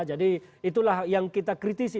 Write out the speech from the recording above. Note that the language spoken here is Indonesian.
jadi itulah yang kita kritikkan